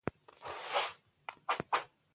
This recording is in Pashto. کندز سیند د افغانستان د چاپیریال ساتنې لپاره مهم دي.